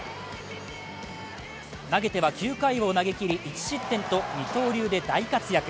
投げては９回を投げきり１失点と二刀流で大活躍。